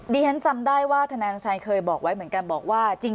ดีเห็นจำได้ว่าธนาฯกำลังชายเคยบอกไว้เหมือนกัน